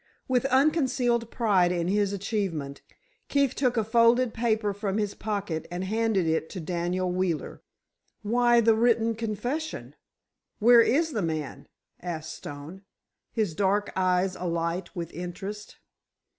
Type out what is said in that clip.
With unconcealed pride in his achievement, Keefe took a folded paper from his pocket and handed it to Daniel Wheeler. "Why the written confession? Where is the man?" asked Stone, his dark eyes alight with interest.